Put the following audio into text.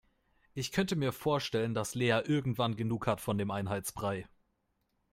Ich könnte mir vorstellen, dass Lea irgendwann genug hat von dem Einheitsbrei.